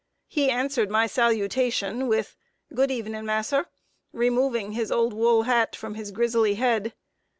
He answered my salutation with "Good evenin', Mass'r," removing his old wool hat from his grizzly head.